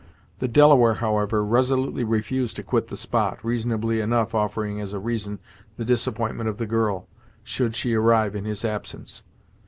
The Delaware, however, resolutely refused to quit the spot, reasonably enough offering as a reason the disappointment of the girl, should she arrive in his absence.